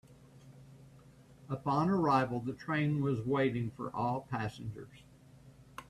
Upon arrival, the train was waiting for all passengers.